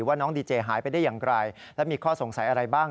ว่าน้องดีเจหายไปได้อย่างไรและมีข้อสงสัยอะไรบ้าง